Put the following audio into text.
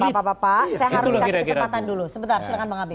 bapak bapak saya harus kasih kesempatan dulu